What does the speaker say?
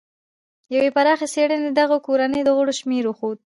یوې پراخې څېړنې د دغې کورنۍ د غړو شمېر وښود.